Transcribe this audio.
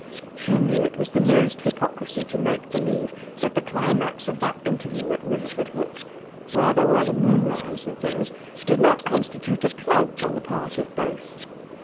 She knew it was the merest hypocrisy to make believe that the climax of that interview at Riverfordhook, where there were the moonrise and things, did not constitute a pledge on the part of both.